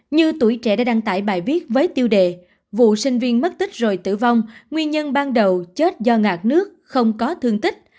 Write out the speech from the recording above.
như tuổi trẻ đã đăng tải bài viết với tiêu đề vụ sinh viên mất tích rồi tử vong nguyên nhân ban đầu chết do ngạt nước không có thương tích